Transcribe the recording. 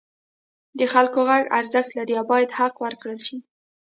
د خلکو غږ ارزښت لري او باید حق ورکړل شي.